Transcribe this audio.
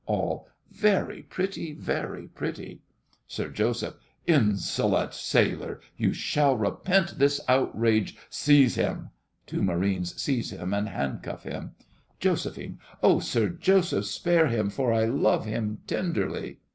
ALL. Very pretty, very pretty! SIR JOSEPH. Insolent sailor, you shall repent this outrage. Seize him! (Two Marines seize him and handcuff him.) JOS. Oh, Sir Joseph, spare him, for I love him tenderly.